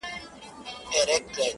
په هغه دم به مي تا ته وي راوړی-